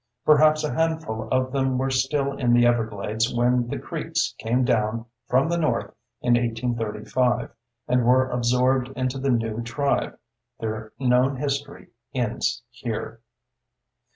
Perhaps a handful of them were still in the everglades when the Creeks came down from the north in 1835, and were absorbed into the new tribe. Their known history ends here.